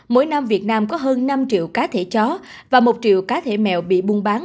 mỗi năm việt nam có hơn năm triệu cá thể chó và một triệu cá thể mèo bị buôn bán